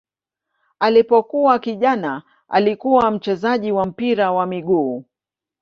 Alipokuwa kijana alikuwa mchezaji wa mpira wa miguu.